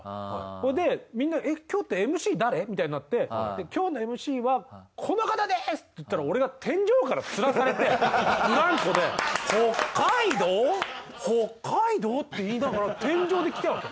それでみんなえっ今日ってＭＣ誰みたいになって今日のＭＣはこの方ですって言ったら北海道北海道って言いながら天井で来たわけ。